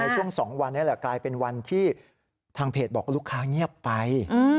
ช่วง๒วันนี้แหละกลายเป็นวันที่ทางเพจบอกลูกค้าเงียบไป